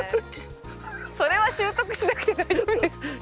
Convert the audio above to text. それは習得しなくて大丈夫です。